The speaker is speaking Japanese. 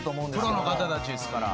プロの方たちですから。